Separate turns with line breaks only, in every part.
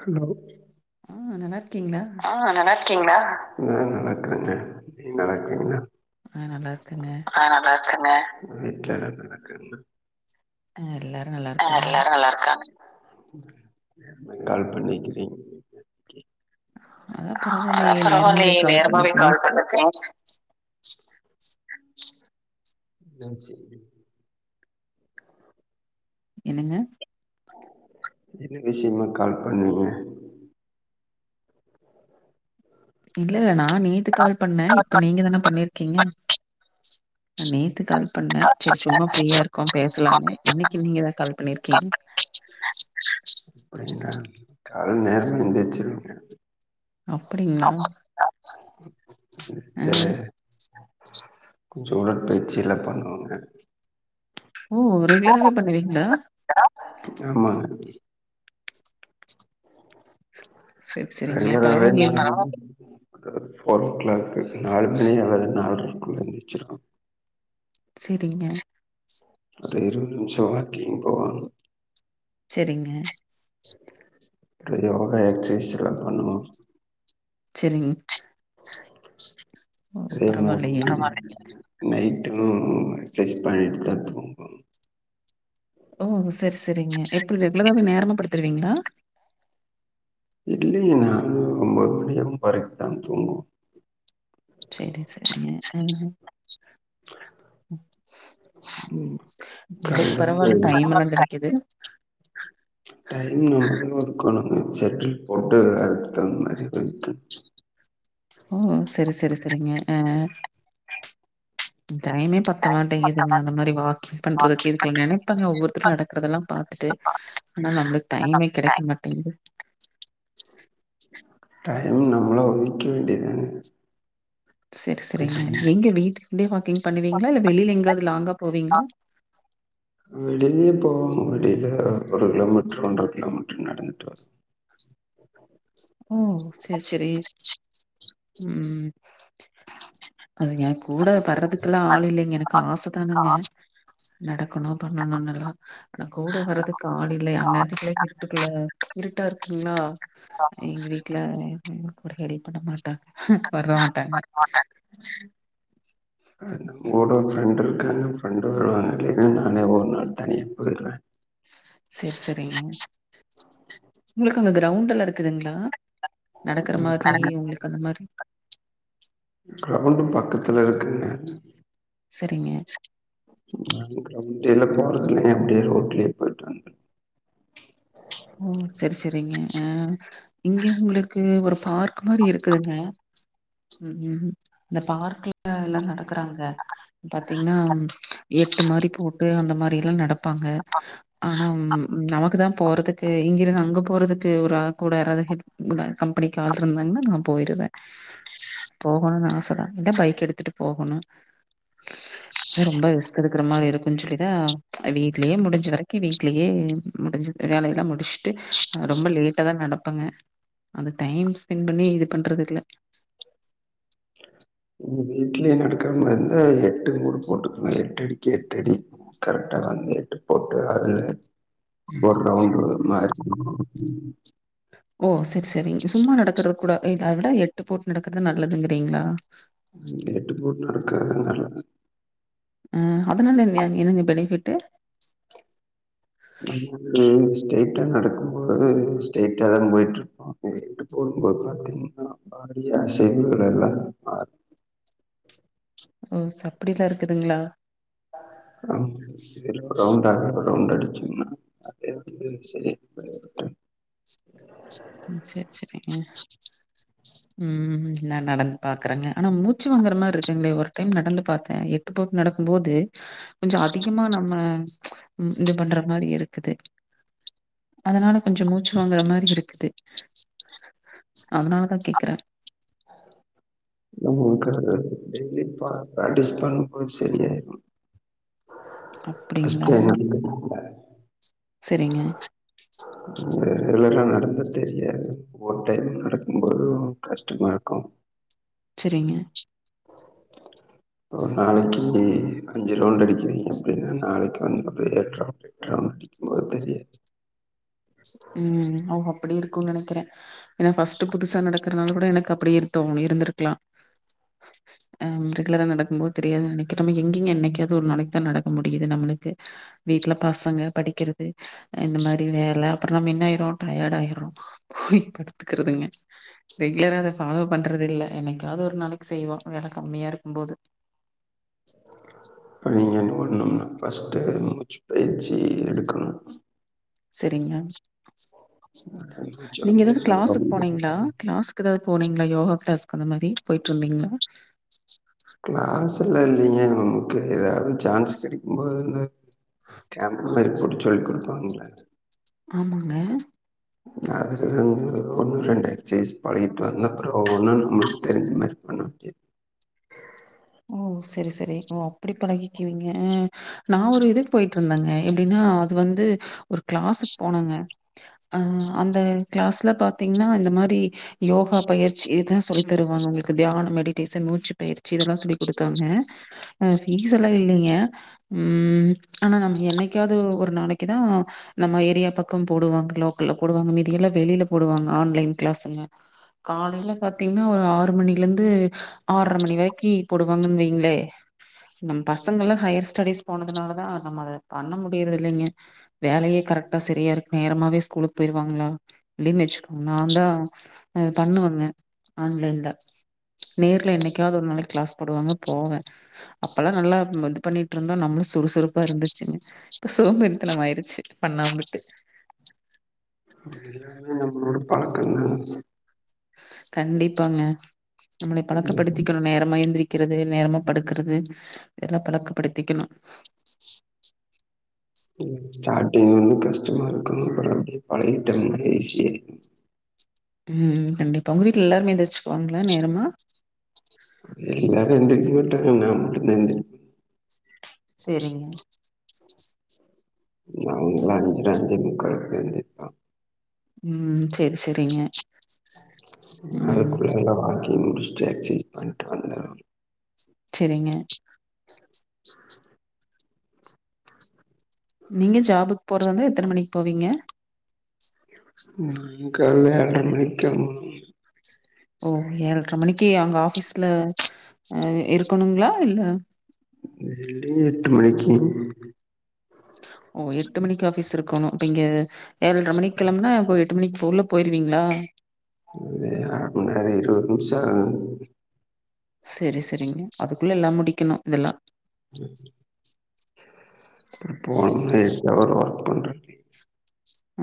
Hello
ஆ நல்லாருக்கீங்ளா
ஆ நல்லா இருக்கீங்ளா நா நல்லாருக்றங்க நீங் நல்லாருக்கீங்ளா
ஆ நல்லா இருக்கங்க
ஆ நல்லாருக்கங்க
ஆ எல்லாரு நல்லா
ஆ
இருக்காங்க
எல்லாரு நல்லா இருக்காங்க கால் பண்ணிக்கிறீங்
அதா
அட
பரவாயில்லயே நேரமாவே
பரவாலயே
கால்
நேரமாவே
பண்ணுது
கால் பண்ணிருக்கிறீங் யான் சேரி
என்னங்க
என்ன விஷ்யமா கால் பண்ணீங்க
இல்ல இல்ல நா நேத்து கால் பண்ணே இப்ப நீங்க தான பண்ணிரு கெங்கேனா நா நேத்து கால் பண்ண செரி சும்மா ஃப்ரீயா இருக்கோ பேசுலான்னு
அப்டிங்களா
இன்னிக் கி நீங்க தா கால் பண்ணிருக்கீங்க
[inaudible] காலைல நேரமே எந்திருச்சிருவேங்க
அப்புடிங்ளா
சே கொஞ்சோ உடற்பயிற்சிலா பண்ணுவாங்க
ஓ ரெகுலராவே பண்ணுவீங்ளா
ஆமா
சரி சரிங்க
ரெகுலராவே
பரவாயில்லையே
அதாவ்து போர் ஓ கிளாக் மேபி நாலு மணி அல்லது நால்றக்குள்ள எந்த்ச்சிர்க்கு
செரிங்க
ஒரு இருவது நிமிஷோ வாக்கிங் போவ
செரிங்க
யோகா எக்ஸைலா பண்ணுவோ
செரிங்
அதே
பரவாயில்லையே
மாரி நைட்டு எக்ஸசைஸ் பண்ணிட்டு தா தூங்கு
ஓ சரி சரிங்க எப்புர் ரெகுலராவே நேரமா படுத்துருவீங்ளா
இல்லைங்க நானு ஒன்போது மணி ஒன்போரைக்கு தாங்க தூங்கு
செரி செரிங்க அ ம் உங்களுக்கு
காலைல
பரவால்ல
இருந்து
டைமெல்லா கெடைக்குது
டைம் அதுக்குன் ஒதுக்குணுங்க செட்டில் போட்டு அதுக்தகுந் மாரி வைத்து
ஓ செரி செரி செரிங்க அ டைமே பத்தமாட்டிங்குதுங்க அந்த மாரி வாக்கிங் பண்றதுக்கு இதுக்கெல்லா நெனைப்பங்க ஒவ்வொருத்தரு நடக்கறதுலா பாத்துட்டு ஆனா நம்மளுக்கு டைமே கெடைக்க மாடேங்குது
டைம் நம்மளா ஒதிக்க வேண்டியதாங்க
சரி சரிங்க எங்க வீட்டுலருந்தே வாக்கிங் பண்ணுவீங்ளா இல்ல வெளில எங்காவது லாங்கா போவீங்ளா
வெளிலயு போவங் வெடில ஒரு கிலோமீட்டரு ஒன்ற கிலோமீட்டரு நடந்துட்டு வ
ஓ செரி செரி ம் அது ஏ கூட வர்றதுக்கெல்லா ஆள் இல்லேங்க எனக்கு ஆச தானுங்க நடக்கணு பண்ணணுனல்லா ஆனா கூட வர்றதுக்கு ஆளு இல்லையாங்க அந்நேரத்துக்கு இருட்டுக்குல்ல இருட்டா இருக்குங்களா எங்க வீட்டுல கூட ஹெல்ப் பண்ண மாட்டாங்க வர மாட்டாங்க
கூட ஃப்ரெண்ட்டு இருக்காங்க ஃப்ரெண்டு வருவாங்க இல்லேன்னா நானே ஒரு நாள் தனியா போயிர்றே
செரி செரிங்க உங்களுக்கு அங்க க்ரௌண்டெல்லா இருக்குதுங்ளா நடக்குற மாரி உங்களுக்கு அந்த மாரி
க்ரெளண்டுமா பக்கத்துல இருக்குங்க
செரிங்க
சொல்றாங்க அவுங் ட்டே எல்லா போறங்லே அப்டியே ரோட்லயே போயிட்றாங்க
ஓ செரி செரிங்க அ இங்க உங்களுக்கு ஒரு பார்க் மாரி இருக்குதுங்க ம் ம் இந்த பார்க்குல எல்லா நடக்குறாங்க பாத்தீங்கன்னா எட்டு மாரி போட்டு அந்த மாரி எல்லா நடப்பாங்க ஆனா நமக்கு தா போறதுக்கு இங்கெருந்து அங்க போறதுக்கு ஒரு ஆ கூட யாராது இரு க்குதா கம்பெனிக்கு ஆள் இருந்தாங்கன்னா நா போயிருவே போகணுன்னு ஆசதா இந்தா பைக் எடுத்துட்டு போகணு ரொம்ப ரிஸ்க் எடுக்கிற மாரி இருக்குன் சொல்லிதா வீட்லயே முடிஞ்ச வரைக்கு வீட்லயே முடிஞ்சுது வேலையெல்லா முடிச்சுட்டு ரொம்ப லேட்டா தா நடப்பாங்க அது டைம் ஸ்பெண்ட் பண்ணி இது பண்றது இல்ல
ம் வீட்லயே நடக்குற மாரி ருந்தா எட்டு எட்டடிக்கு எட்டடி கரெக்டா வந்து எட்டு போட்டு அதுல
உ
மாரிருக்கனு
ஓ செரி செரி சும்மா நடக்குறது கூட இத விட எட்டு போட்டு நடக்குறது நல்லதுங்கிறீங்களா
எட்டு போட்டு நடக்குறதுனால
ஆ அதுனால என்னையா எனக்கு பெனிபிட்டு
ம் அ ஸ்டே ஸ்ரைட்டா நடக்கும்போது ஸ்ரைட்டா தா போயிட்ருக்கு அதே எட்டு போட்டு பாத்தா [unintelligible] யா செய்வார் எல்லா
ஒர் நிம்ஷோ அப்புடில்லா இருக்குதுங்ளா
ஆமா ரவுண்டா ஒரு ரவுண்டு அடிச்ச மாரி [unintelligible]
ம் செரி செரிங்க ம் நடந்து பாக்குறங்க ஆனா மூச்சு வாங்குற மார்ருக்குங்களே ஒரு டைம் நடந்து பாத்தே எப் போட்டு நடக்கும் போது கொஞ்சோ அதிகமா நம்ம இது பண்ற மாரி இருக்குது அதனால கொஞ்சோ மூச்சு வாங்குற மாரி இருக்குது அதனாலதான் கேக்குறேன்
[unintelligible] [unintelligible]
அப்டிங்களா?
[unintelligible]
செரிங்க
சரி இதுல எல்லாம் நடந்த தெரியாது ஒரு டைம் நடக்கும் போது கஷ்டமா இருக்கு
செரிங்க
ஒரு நாளைக்கி அஞ்சு ரவுண்ட் அடிக்கிறீங்க அப்படின்னா நாளைக்கு வந்த எட்டு ரவுண்ட் எட்டு ரவுண்ட் அடிக்கும் போது தெரியாது
உம் ஓ அப்டி இருக்கு நனைக்கிற ஏனா பஃஸ்ட் புதுசா நடக்கறனால கூட எனக்கு அப்படி இருத்தோ இருந்திருக்கலாம்
[inaudible]
ஆ ரெகுலரா நடக்கும் போது தெரியாது நினைக்கிற நம்ம எங்கிங்க என்னைக்காது ஒரு நாளைக்கு தான் நடக்க முடியுது நம்மளுக்கு வீட்டுல பசங்க படிக்கிறது இந்த மாரி வேல புரோ நம்ம என்னயிரோ டயர்டாயிரோ போய் படுத்துக்கறதுங்க ரெகுலரா அத ஃபாலோ பண்றது இல்ல என்னைக்காவது ஒரு நாளைக்கு செய்வோ வெல கம்மியா இருக்கும் போது
[unintelligible] பஸ்ட் மூச்சு பயிற்சி எடுக்கணும்
சரிங்கள
மூச்ச
நீங்க
வந்து
ஏதாவது கிளாஸக்கு போனீங்களா கிளாஸ குதாவது போனீங்களா யோகா கிளாஸ்கு அந்த மாரி போயிட்டு இருந்தீங்களா
கிளாஸ்லா இல்லைங்க நமக்கு ஏதாவது சான்ஸ் கடைக்கும்போதுந்த [unintelligible]
ஆமாங்க
அது [unintelligible] ஒன்னு ரெண்டு எக்சேஸ் பழகிட்டு வந்த அப்ரோ ஒன்னும் நம்மளுக்கு தெரிஞ்ச பன்னமுடியாது
ஓ செரி செரி ஓ அப்டி பழகிக்குவீங்க நான் ஒரு இதுக்கு போயிட்டு இருந்தேங்க எப்படின்னா அது வந்து ஒரு கிளாஸக்கு போனாங்க ஆ அந்த கிளாஸ்ல பார்த்தீங்கன்னா இந்த மாரி யோகா பயிற்சி இததுதான் சொல்லித்தருவாங்க உங்களுக்கு தியான மெடிடேஷன் மூச்சு பயிற்சி இதெல்லாம் சொல்லி கொடுத்தாங்க ஆ பீஸ் எல்லா இல்லிங்க உம் ஆனா நம்ம என்னைக்காவது ஒரு நாளைக்கு தான் நம்ம ஏரியா பக்கம் போடுவாங்க லோக்கல்ல போடுவாங்க மீதியெல்லாம் வெளியில போடுவாங்க ஆன்லைன் கிளாஸங்க காலையில பாத்தீங்கன்னா ஒரு ஆறு மணிலந்து ஆர மணி வரைக்கு போடுவாங்கன்னு வைங்களே நம்ம பசங்கலாம் ஹையர் ஸ்டடிஸ் போனதுனால தான் நம்ம அதை பண்ண முடியறது இல்லைங்க வேலையே கரெக்டா சரியா இருக்கு நேரமவே ஸ்கூலுக்கு போயிருவாங்களா அப்டின்னு வச்சுக்கோங்க நான் தான் அது பண்ணுவாங்க ஆன்லைன்ல நேர்ல என்னைக்காவது ஒரு நாளைக்கு கிளாஸ் போடுவாங்க போவே அப்பல்லாம் நல்லா இது பண்ணிட்டு இருந்தோம் நம்மளும் சுறுசுறுப்பா இருந்துச்சுங்கா இப்ப சோம்பறித்தனம் ஆயிடுச்சு பண்ணாமவிட்டு
எல்லாமே நம்பளோட பலகோ என்ன
கண்டிப்பாங்க நம்மள பழக்கப்படுத்திக்கணும் நேரமா எந்திரிக்கிறது நேரமா படுக்குறது இதெல்லா பழக்கப்படுத்திக்கணும்.
ஸ்டாட்டிங் வந்து கஷ்டமா இருக்கு. அப்புறோ அப்டியே பழகிட்டமாரி ஆய்ர்ச்சு.
ம் கண்டிப்பா உங்க வீட்ல எல்லாருமே எந்திரிச்சுக்குவாங்ளா நேரமா?
எல்லாரு எந்திரிக்க மாட்டாங் நா மட்டுந்தா எந்திரிப்
செரிங்க.
அவுங்ளா அஞ்சர அஞ்சே முக்கால்க்குதா எந்திரிப்பா
ம் செரி செரிங்க.
அதுக்குள்ளல்லா வாக்கிங் முடிச்ட்டு எக்சைஸ் பண்ட்டு வந்துருவ்
செரிங்க. நீங்க ஜாபுக் போறதாந்தா எத்தன மணிக் போவிங்க?
ம் கால்ல ஏழ்ர மணிக் கெளம்பணு.
ஓ ஏழ்ர மணிக்கி அங்க ஆஃபீஸ்ல அ இருக்கணுங்ளா இல்ல?
இல்லீங் எட்டு மணிக்கி.
ஓ எட்டு மணிக்கு ஆஃபீஸ் இருக்கோணு. இப்ப இங்க ஏழ்ர மணிக் கெளம்புனா ப்போ எ ட்டு மணிக் உள்ள போயிருவிங்ளா?
இது அர மண் நேரோ இருவது நிம்ஷோ.
செரி செரிங்க அதுக்குள்ள எல்லா முடிக்கணு இதெல்லா.
[inaudible]
சரி.
போனே ஷவர் ஒர்க் பண்ற [inaudible]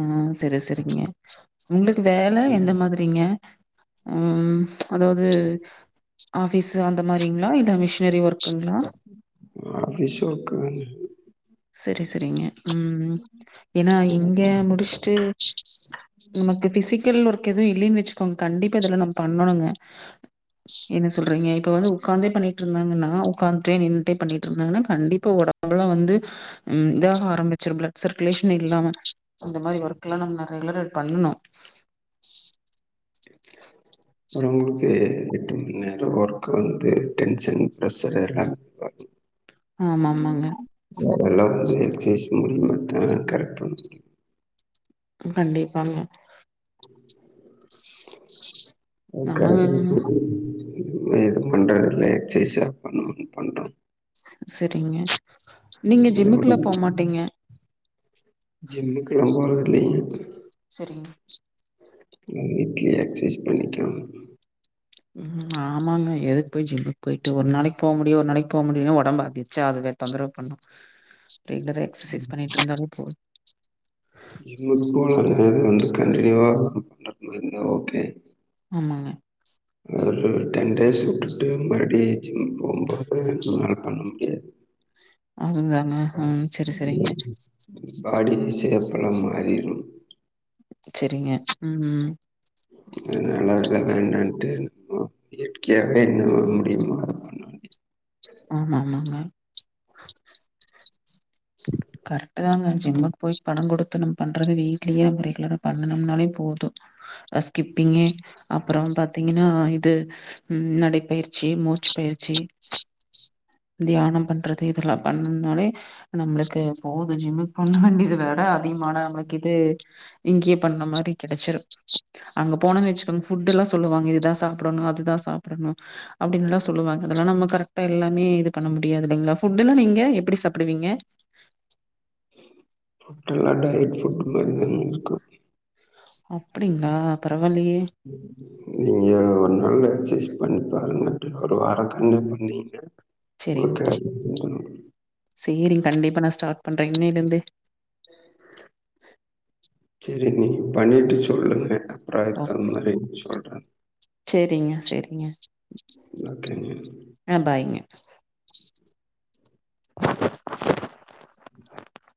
ம் செரி செரிங்க உங்குளுக்கு வேல எந்த மாதிரிங்க? ம் அதாவது ஆஃபீஸு அந்த மாரிங்ளா இல்ல மிஷினரி ஒர்க்குங்ளா?
ஆஃபீஸ் ஒர்க்குதாங்க.
செரி செரிங்க ம் ஏனா இங்க
அப்றோ
முடிச்ட்டு நமக்கு ஃபிசிக்கல் ஒர்க் எது இல்லீன் வெச்சுக்கோங் கண்டிப்பா இதுல்லா நம் பண்ணோணுங்க.
[inaudible]
என்ன சொல்றீங்க இப்போ வந்து உக்காந்தே பண்ணிட்ருந்தாங்கன்னா உக்காந்ட்டே நின்ட்டே பண்ணிட்ருந்தாங்கன்னா கண்டிப்பா ஒடம்பல்லா வந்து ம் தா ஆரம்பிச்சிரும் பிளட் சர்க்குலேஷன் இல்லாம அந்த மாரி ஒர்க் எல்லா நம் ரெகுலரேட் பண்ணனு.
[inaudible] [unintelligible] எட்டு மண் நேரோ ஒர்க் வந்து டென்ஷன் ப்ரஷர் எல்லாம்
ஆமா, ஆமாங்க.
[inaudible] எல்லாத்தியு எக்சைஸ் மூலியமாத்தா கரட் பண்ண முடியு.
கண்டிப்பாங்க.
அது
நாங்க
[inaudible] இதுமே எதும் பண்றதில்ல எக்சைஸா பண்ணணுன் பண்றோ.
செரிங்க நீங்க ஜிம்முக்குல்லா போமாட்டிங்க?
ஜிம்முக்குலா போறது இல்லீங்க.
சரிங்.
ம் வீட்லியே எக்சைஸ் பண்ணிக்வ.
ம் ஆமாங்க எதுக்கு போய் ஜிம்முக் போய்ட்டு ஒரு நாளைக் போவ முடியு ஒரு நாளைக் போவ முடில்னா ஒடம்பு அதிர்ச்சா [unintelligible] தொந்தரவு பண்ணு.
[inaudible]
ரெகுலரா எக்ஸசைஸ் பண்ணிட்ருந்தாலே போ
[unintelligible] வந்தது வந்து கன்டினியூவா [inaudible] ஓகே.
ஆமாங்க
ஒரு டென் டேஸ் விட்டுட்டு மறுபடி ஜிம் போகும்போது என்னால பண்ண முடியாது [inaudible]
அதுதாங்க ம் செரி செரிங்க
பாடி சேப்பலா மாறிரு
சரிங்க ம் ம்
அதனால ரெண்ரெண்டு இயற்கையாவே [unintelligible]
ஆமா ஆமாங்க கரெக்ட்டுதாங்க ஜிம்முக்கு போயி் பண. கொடுத்து நம்ம பண்றது வீட்லயே நம்ம ரெகுலரா பண்ணனும்னாலே போது ஆ ஸ்கிப்பிங்கு அப்பறம் பாத்தீங்கன்னா இது ம் நடைப்பயிற்சி மூச்சு பயிற்சி தியானம் பண்றது இதெல்லா பண்ணதுனாலே நம்மளுக்கு க்கு போகுது ஜிம்முக்கு பண்ண வேண்டியது விட அதிகமானா நமக்கு இது இங்கயே பண்ண மாரி கெடைச்சிடு அங்க போன வச்சிக்கோங்க புட்டுல்லா சொல்லுவாங்க இதுதா சாப்பிடணு அதுதா சாப்பிடணு அப்டின்னுல்லா சொல்லுவாங்க அதெல்லா நம்ம கரெக்டா எல்லாமே இது பண்ண முடியாது இல்லைங்களா ஃபுட்டுன்னா நீங்க எப்டி சாப்டுவீங்க [inaudible]
எல்லா டயட் பூட் மாரிதா இருக்கு
அப்டிங்களா பரவாலயே
ம் நீங்க ஒரு நாள் எக்ஸர்சைஸ் பண்ணிப்பாருங்க ஒரு வார கன்டினு பண்ணீங்க உங்களுக்கே [unintelligible]
சேரிங்க கண்டிப்பா நா ஸ்டார்ட் பண்ற இன்னைல இருந்தே
செரி நீங்க பண்ணிட்டு சொல்லுங்க
ஓ!
பிராயத்திர மாரி சொல்றே
சரிங்க, சரிங்க.
நன்றிங்க
ஆ பாய்ங்க